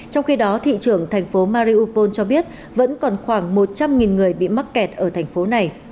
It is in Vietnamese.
trong khi đó thị trưởng thành phố maripol cho biết vẫn còn khoảng một trăm linh người bị mắc kẹt ở thành phố này